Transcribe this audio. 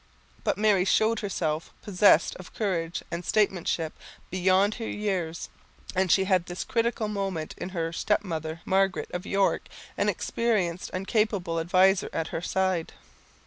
But Mary showed herself possessed of courage and statesmanship beyond her years, and she had at this critical moment in her step mother, Margaret of York, an experienced and capable adviser at her side.